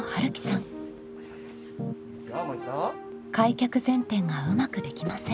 開脚前転がうまくできません。